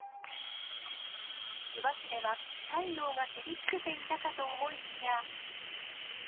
千葉市では、太陽が照りつけていたかと思いきや。